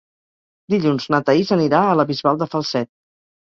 Dilluns na Thaís anirà a la Bisbal de Falset.